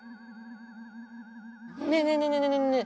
・ねえねえねえねえ！